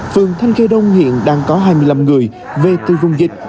phường thanh khê đông hiện đang có hai mươi năm người về từ vùng dịch